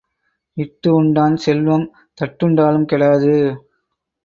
இட்டு உண்டான் செல்வம் தட்டுண்டாலும் கெடாது.